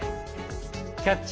「キャッチ！